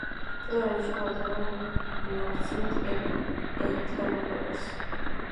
პირველ რიგში ყურადღება მივაქციოთ ერთეულებს.